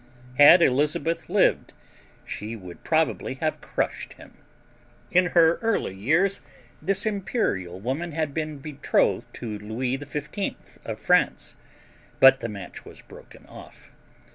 Had Elizabeth lived, she would probably have crushed him. In her early years this imperial woman had been betrothed to Louis XV. of France, but the match was broken off.